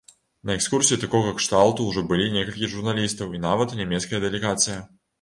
На экскурсіі такога кшталту ўжо былі некалькі журналістаў і нават нямецкая дэлегацыя.